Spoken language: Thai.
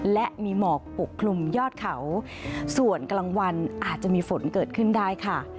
และมีหมอกปกคลุมยอดเขาส่วนกลางวันอาจจะมีฝนเกิดขึ้นได้ค่ะ